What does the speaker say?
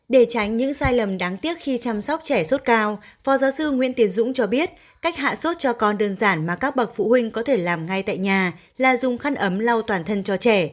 để tránh những sai lầm đáng tiếc khi chăm sóc trẻ sốt cao phó giáo sư nguyễn tiến dũng cho biết cách hạ sốt cho con đơn giản mà các bậc phụ huynh có thể làm ngay tại nhà là dùng khăn ấm lau toàn thân cho trẻ